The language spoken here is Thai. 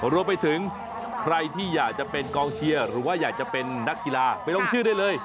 รวมไปถึงใครที่อยากจะเป็นกองเชียร์หรือว่าอยากจะเป็นนักกีฬาไปลงชื่อได้เลย